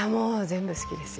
全部好きです。